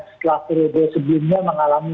setelah periode sebelumnya mengalami